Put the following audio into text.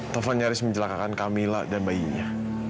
taufan nyaris mencelakakan kamila dan bayinya